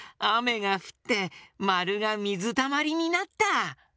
あめがふってまるがみずたまりになった！